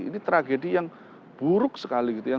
ini tragedi yang buruk sekali gitu ya